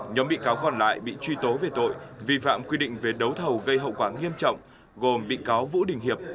nhóm bị cáo còn lại bị truy tố về tội vi phạm quy định về đấu thầu gây hậu quả nghiêm trọng gồm bị cáo vũ đình hiệp